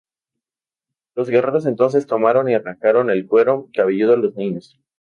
Los guerreros entonces tomaron y arrancaron el cuero cabelludo a los niños.